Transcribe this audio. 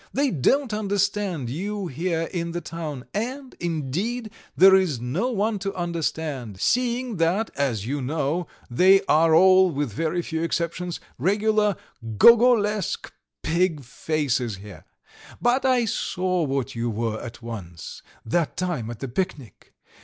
They don't understand you here in the town, and, indeed, there is no one to understand, seeing that, as you know, they are all, with very few exceptions, regular Gogolesque pig faces here. But I saw what you were at once that time at the picnic.